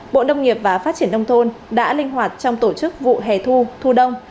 bộ nông nghiệp và phát triển nông thôn đã linh hoạt trong tổ chức vụ hè thu thu đông